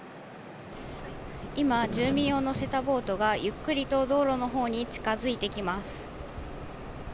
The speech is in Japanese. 今、住民を乗せたボートがゆっくりと道路のほうに近づいてきます。